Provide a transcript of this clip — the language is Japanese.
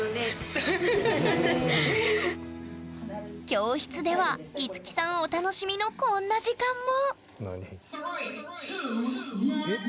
教室では樹さんお楽しみのこんな時間も！